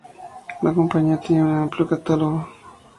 La compañía tiene un amplio catálogo.